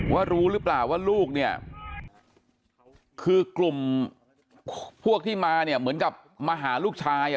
รู้หรือเปล่าว่าลูกเนี่ยคือกลุ่มพวกที่มาเนี่ยเหมือนกับมาหาลูกชายอ่ะ